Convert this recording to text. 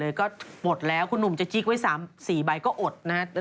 ก็หมดแล้วคุณหนุ่มจะจิ๊กไว้๓๔ใบก็อดนะฮะ